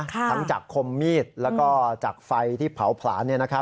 ทั้งจากคมมีดแล้วก็จากไฟที่เผาผลาญ